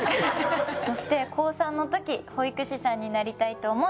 そして高３のとき保育士さんになりたいと思い